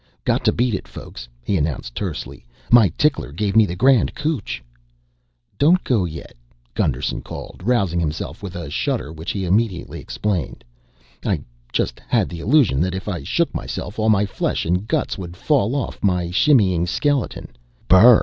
"Got to beat it, folks," he announced tersely. "My tickler gave me the grand cootch." "Don't go yet," Gusterson called, rousing himself with a shudder which he immediately explained: "I just had the illusion that if I shook myself all my flesh and guts would fall off my shimmying skeleton, Brr!